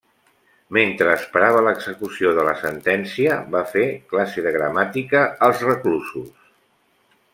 Mentre esperava l'execució de la sentència, va fer classe de Gramàtica als reclusos.